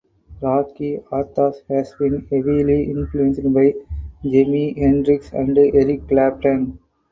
Rocky Athas has been heavily influenced by Jimi Hendrix and Eric Clapton.